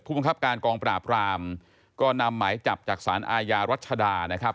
บังคับการกองปราบรามก็นำหมายจับจากสารอาญารัชดานะครับ